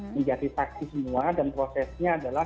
menjadi taksi semua dan prosesnya adalah